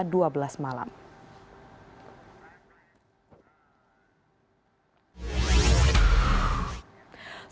kpu membuka pendaftaran lebih lama